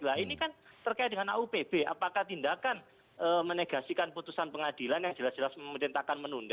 nah ini kan terkait dengan aup apakah tindakan menegasikan putusan pengadilan yang jelas jelas pemerintah akan menunda